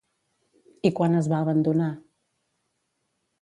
I quan es va abandonar?